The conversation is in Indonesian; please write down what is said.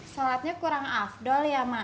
sholatnya kurang afdol ya mak